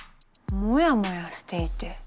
モヤモヤしていて。